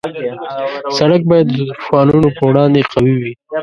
سړک باید د طوفانونو په وړاندې قوي وي.